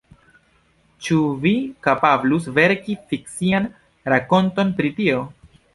Ĉu vi kapablus verki fikcian rakonton pri tio?